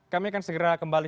kami akan segera kembali